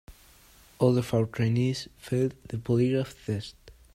All of our trainees failed the polygraph test.